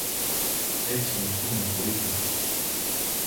Έτσι, μ' εκείνα που είπε.